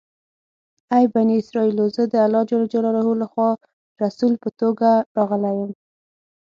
ای بني اسرایلو! زه الله جل جلاله لخوا رسول په توګه راغلی یم.